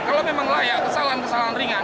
kalau memang layak kesalahan kesalahan ringan